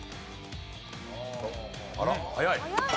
あら早い！